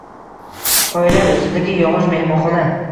Qoyalar ustidagi yog’och mehmonxona.